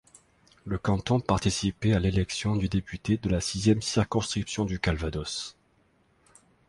Le canton participait à l'élection du député de la sixième circonscription du Calvados.